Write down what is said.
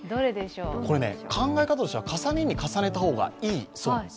これね、考え方としては重ねに重ねた方がいいそうなんです。